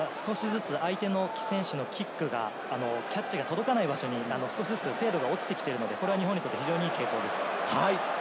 相手の選手のキックのキャッチが届かない場所に精度が落ちてきているので、日本にとっていい傾向です。